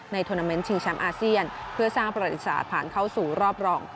ทวนาเมนต์ชิงแชมป์อาเซียนเพื่อสร้างประวัติศาสตร์ผ่านเข้าสู่รอบรอง